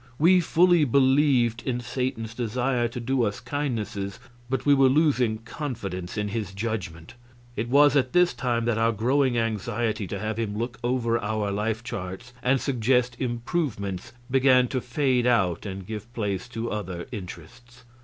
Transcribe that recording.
We fully believed in Satan's desire to do us kindnesses, but we were losing confidence in his judgment. It was at this time that our growing anxiety to have him look over our life charts and suggest improvements began to fade out and give place to other interests.